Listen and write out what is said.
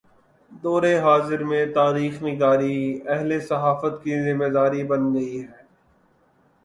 دور حاضر میں تاریخ نگاری اہل صحافت کی ذمہ داری بن گئی ہے۔